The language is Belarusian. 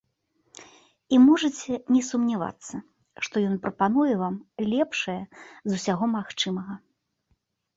І можаце не сумнявацца, што ён прапануе вам лепшае з усяго магчымага.